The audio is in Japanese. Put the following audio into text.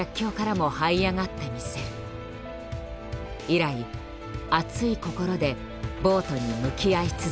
以来熱い心でボートに向き合い続けている。